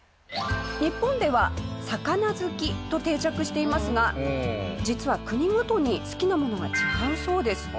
日本では魚好きと定着していますが実は国ごとに好きなものが違うそうです。